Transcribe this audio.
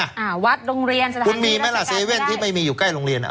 อ่าวัดโรงเรียนสละคุณมีไหมล่ะเซเว่นที่ไม่มีอยู่ใกล้โรงเรียนอ่ะ